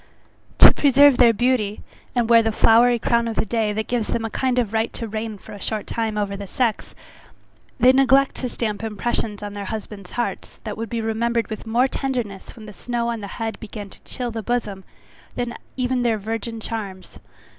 To preserve their beauty, and wear the flowery crown of the day, that gives them a kind of right to reign for a short time over the sex, they neglect to stamp impressions on their husbands' hearts, that would be remembered with more tenderness when the snow on the head began to chill the bosom, than even their virgin charms.